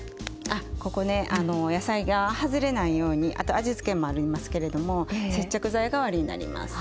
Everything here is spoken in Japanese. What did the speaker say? あっここねあの野菜が外れないようにあと味つけもありますけれども接着剤代わりになります。